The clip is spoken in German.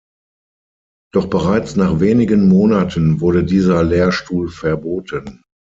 Doch bereits nach wenigen Monaten wurde dieser Lehrstuhl verboten.